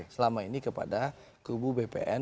selama ini kepada kubu bpn